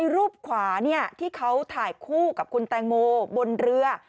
รูปขวาที่เขาถ่ายคู่กับคุณแตงโมบนเรือ